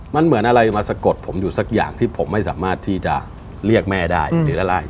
มันเหมือนอะไรมาสะกดผมอยู่สักอย่างที่ผมไม่สามารถที่จะเรียกแม่ได้หรืออะไร